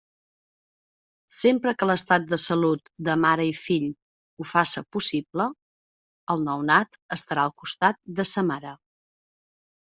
Sempre que l'estat de salut de mare i fill ho faça possible, el nounat estarà al costat de sa mare.